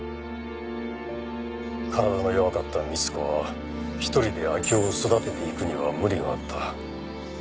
体の弱かった光子は１人で明生を育てていくには無理があった。